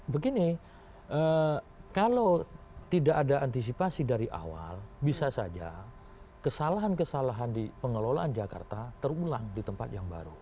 begini kalau tidak ada antisipasi dari awal bisa saja kesalahan kesalahan di pengelolaan jakarta terulang di tempat yang baru